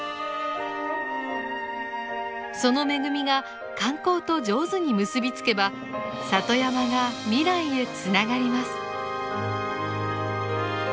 その恵みが観光と上手に結び付けば里山が未来へつながります。